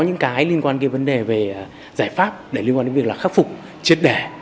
có những cái liên quan đến vấn đề về giải pháp liên quan đến việc khắc phục chết đẻ